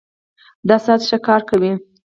دا ساعت ښه کار کوي